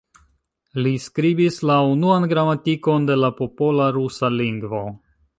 Li skribis la unuan gramatikon de la popola rusa lingvo.